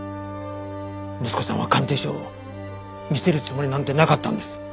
息子さんは鑑定書を見せるつもりなんてなかったんです。